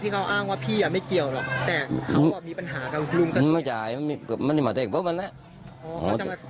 อ๋อเขาจะมาทำอะไร